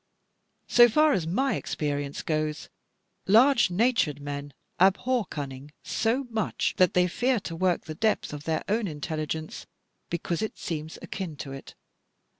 So far as my experience goes, large natured men abhor cunning so much, that they fear to work the depth of their own intelligence, because it seems akin to it.